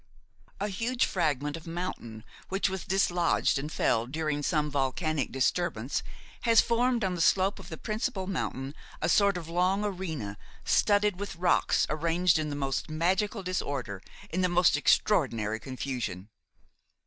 A huge fragment of mountain, which was dislodged and fell during some volcanic disturbance, has formed on the slope of the principle mountain a sort of long arena studded with rocks arranged in the most magical disorder, in the most extraordinary confusion.